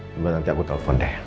kemudian nanti aku telpon deh